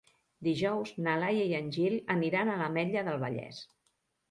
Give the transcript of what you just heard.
Dijous na Laia i en Gil aniran a l'Ametlla del Vallès.